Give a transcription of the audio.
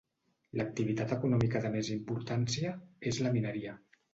L'activitat econòmica de més importància és la mineria.